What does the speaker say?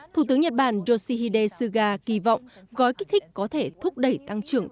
thủ tướng nhật bản yoshihide suga kỳ vọng gói kích thích có thể thúc đẩy tăng trưởng